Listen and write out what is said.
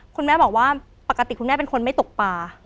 คุณแม่บอกว่าปกติคุณแม่เป็นคนไม่ตกป่า